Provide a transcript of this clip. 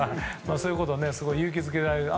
そういうことで勇気づけられて。